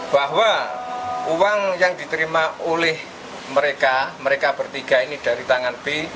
bahwa uang yang diterima oleh mereka mereka bertiga ini dari tangan b